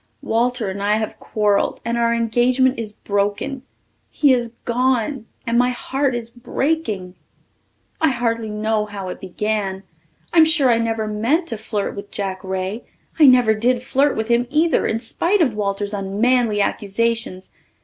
Walter and I have quarrelled and our engagement is broken. He is gone and my heart is breaking. I hardly know how it began. I'm sure I never meant to flirt with Jack Ray. I never did flirt with him either, in spite of Walter's unmanly accusations.